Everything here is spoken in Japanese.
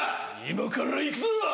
今から行くぞ！」。